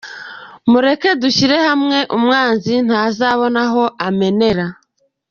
Mureke dushyire hamwe, umwanzi ntazabona aho amenera.